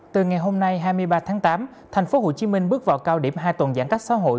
từ ngày hôm nay hai mươi ba tháng tám thành phố hồ chí minh bước vào cao điểm hai tuần giãn cách xã hội